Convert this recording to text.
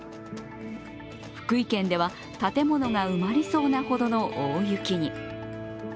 福井県では、建物が埋まりそうなほどの大雪に。